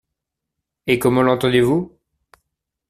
Et comment l’entendez-vous ?